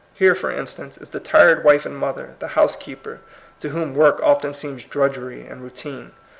Here, for instance, is the tired wife and mother, the housekeeper, to whom work often seems drudgery and routine.